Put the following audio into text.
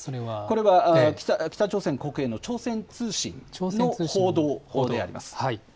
これは北朝鮮国営の朝鮮通信の報道であります。